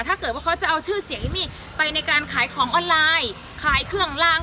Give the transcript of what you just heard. ถ้าเกิดว่าเขาจะเอาชื่อเสียงเอมมี่ไปในการขายของออนไลน์ขายเครื่องลาง